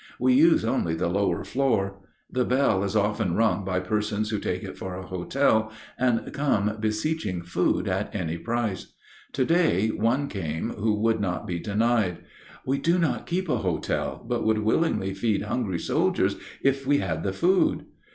We use only the lower floor. The bell is often rung by persons who take it for a hotel and come beseeching food at any price. To day one came who would not be denied. "We do not keep a hotel, but would willingly feed hungry soldiers if we had the food."